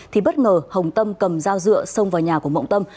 thì bất ngờ hồng tâm cầm dao dựa xông vào nhà của mộng tâm